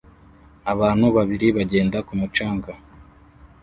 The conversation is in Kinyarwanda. Abantu babiri bagenda ku mucanga